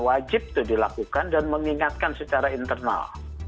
wajib itu dilakukan dan mengingatkan secara internal